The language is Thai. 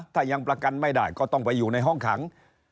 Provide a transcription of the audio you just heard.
ถ้ายังประกันไม่ได้ก็ต้องไปอยู่ในห้องขัง